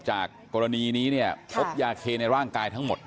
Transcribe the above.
จากกรณีนี้เนี่ยพบยาเคในร่างกายทั้งหมด